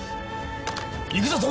行くぞ透！